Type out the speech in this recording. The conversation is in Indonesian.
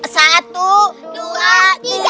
satu dua tiga